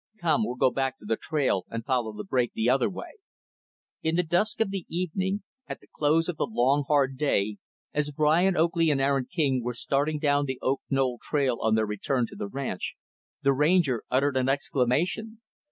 Come, we'll go back to the trail and follow the break the other way." In the dusk of the evening, at the close of the long, hard day, as Brian Oakley and Aaron King were starting down the Oak Knoll trail on their return to the ranch, the Ranger uttered an exclamation.